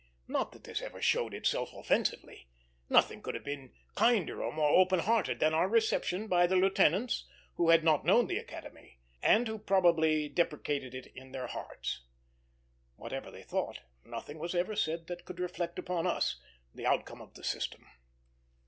Not that this ever showed itself offensively; nothing could have been kinder or more open hearted than our reception by the lieutenants who had not known the Academy, and who probably depreciated it in their hearts. Whatever they thought, nothing was ever said that could reflect upon us, the outcome of the system.